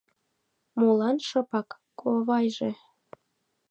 Молан шыпак, кувавайже